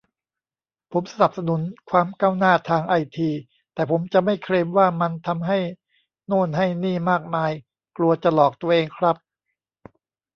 ผมสนับสนุนความก้าวหน้าทางไอที แต่ผมจะไม่เคลมว่ามันทำให้โน่นให้นี่มากมาย กลัวจะหลอกตัวเองครับ